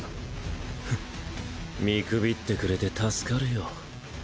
フッ見くびってくれて助かるよ。